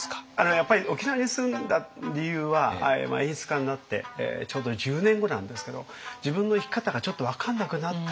やっぱり沖縄に住んだ理由は演出家になってちょうど１０年後なんですけど自分の生き方がちょっと分かんなくなった。